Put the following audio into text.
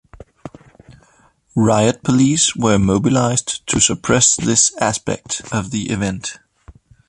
Riot police were mobilised to suppress this aspect of the event.